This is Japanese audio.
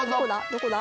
どこだ？